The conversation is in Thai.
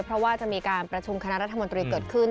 เพราะว่าจะมีการประชุมคณะรัฐมนตรีเกิดขึ้น